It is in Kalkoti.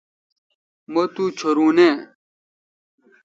مہ تو چورو نہ۔